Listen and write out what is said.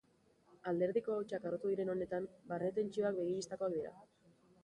Alderdiko hautsak harrotu diren honetan, barne tentsioak begibistakoak dira.